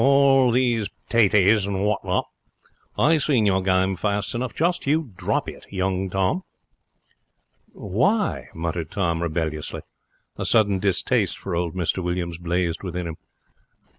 All these p'taties, and what not. I seen your game fast enough. Just you drop it, young Tom.' 'Why?' muttered Tom, rebelliously. A sudden distaste for old Mr Williams blazed within him.